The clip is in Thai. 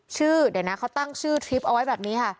ชื่อเดี๋ยวนะเขาตั้งชื่อทริปเอาไว้แบบนี้ค่ะ